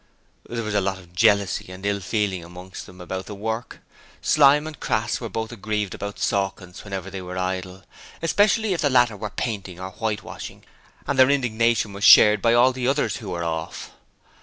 There was a lot of jealousy and ill feeling amongst them about the work. Slyme and Crass were both aggrieved about Sawkins whenever they were idle, especially if the latter were painting or whitewashing, and their indignation was shared by all the others who were 'off'.